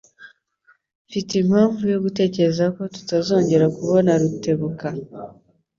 Mfite impamvu yo gutekereza ko tutazongera kubona Rutebuka.